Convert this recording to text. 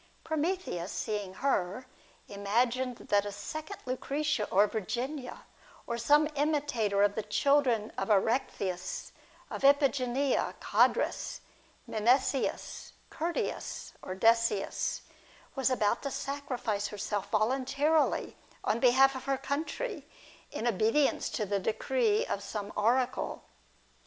Prometheus, seeing her, imagined that a second Lucretia or Virginia, or some imitator of the children of Erectheus, of Iphigenia, Codrus, Menecius, Curtius, or Decius, was about to sacrifice herself volun tarily on behalf of her country, in obedience to the decree of some oracle.